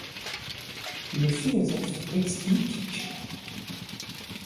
Le philosophe explique qu'.